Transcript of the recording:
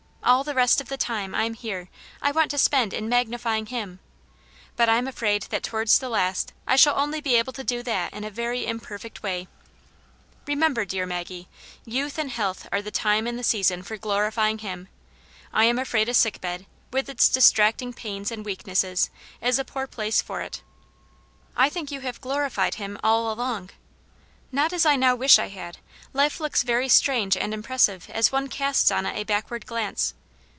All the rest of the time I am here I want to spend in magnifying Him ; but I am afraid that towards the last I shall only be able to do that in a very imperfect way. Remember, dear 240 Aimt Jane's Hero. Maggie, youth and health are the time and the season for glorifying Him. I am afraid a sick bed, with its distracting pains and weaknesses, is a poor place for it." " I think you have glorified Him all along.*' "Not as I now wish I had. Life looks very strange and impressive as one casts on it a back ward glance.